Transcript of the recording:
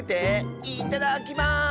いただきます！